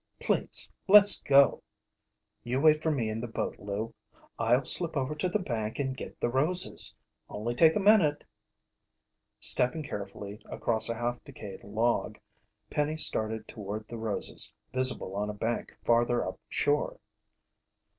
Please, let's go!" "You wait for me in the boat, Lou. I'll slip over to the bank and get the roses. Only take a minute." Stepping carefully across a half decayed log, Penny started toward the roses, visible on a bank farther up shore.